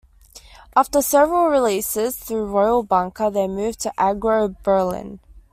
After several releases through Royal Bunker, they moved to Aggro Berlin.